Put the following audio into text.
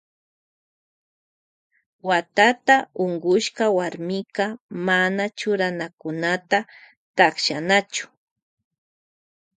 Wawata unkushka warmika mana churanakunata takshanachu.